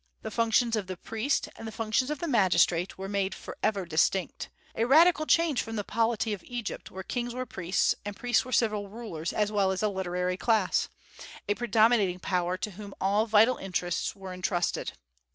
The functions of the priest and the functions of the magistrate were made forever distinct, a radical change from the polity of Egypt, where kings were priests, and priests were civil rulers as well as a literary class; a predominating power to whom all vital interests were intrusted.